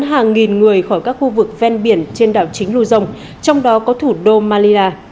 hàng nghìn người khỏi các khu vực ven biển trên đảo chính luzon trong đó có thủ đô manila